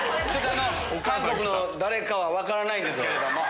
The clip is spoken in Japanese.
・韓国の誰かは分からないんですけれども。